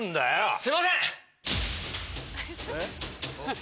すいません！